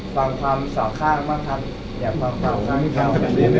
ฟังความสองข้างบ้างครับเดี๋ยวฟังความสองข้างเก่า